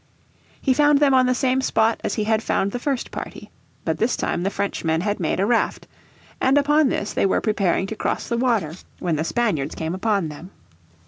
He found them on the same spot as he had found the first party. But this time the Frenchmen had made a raft, and upon this they were preparing to cross the water when the Spaniards came upon them.